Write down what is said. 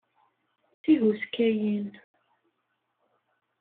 D tihuskayin.